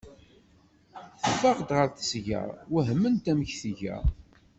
Teffeɣ-d ɣer tesga, wehment amek tga.